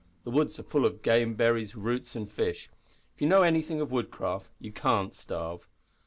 "The woods are full of game, berries, roots, and fish. If you know anything of woodcraft you can't starve."